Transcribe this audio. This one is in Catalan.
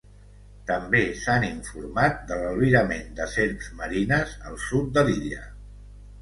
També s'han informat de l'albirament de serps marines al sud de l'illa.